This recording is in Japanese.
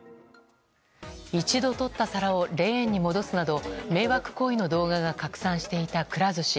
一度とった皿をレーンに戻すなど迷惑行為の動画が拡散していたくら寿司。